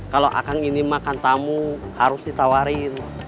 kalau akang ini makan tamu harus ditawarin